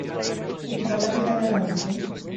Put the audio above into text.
Itxura aldaketa behar al duzu?